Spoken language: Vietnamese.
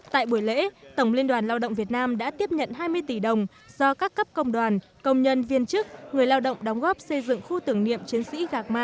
tại buổi lễ tổng liên đoàn lao động việt nam đã tiếp nhận hai mươi tỷ đồng do các cấp công đoàn công nhân viên chức người lao động đóng góp xây dựng khu tưởng niệm chiến sĩ gạc ma